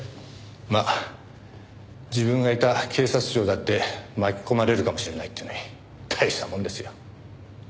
まあ自分がいた警察庁だって巻き込まれるかもしれないってのに大したもんですよ。